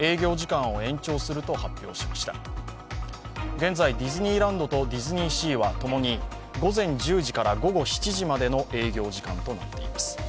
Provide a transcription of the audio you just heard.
現在ディズニーランドとディズニーシーはともに、午前１０時から午後７時までの営業時間となっています。